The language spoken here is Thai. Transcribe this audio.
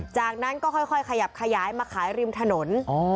จากนั้นก็ค่อยขยับขยายมาขายริมถนน